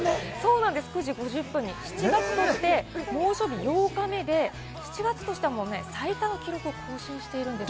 ９時５０分に７月としては猛暑日８日目で、７月としてはもう最多の記録を更新しているんですよ。